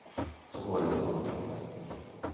そこがいいところだと思います。